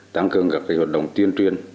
tăng cường các hoạt động tuyên truyền